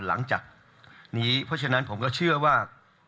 หลังจากนี้เพราะฉะนั้นผมก็เชื่อว่า